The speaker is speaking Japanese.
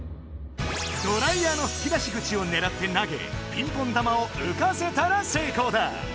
ドライヤーのふき出し口をねらって投げピンポン玉をうかせたら成功だ。